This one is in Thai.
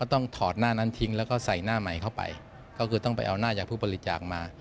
ต้องถอดหน้านั้นทิ้งแล้วก็ใส่หน้าใหม่เข้าไปก็คือต้องไปเอาหน้าจากผู้บริจาคมา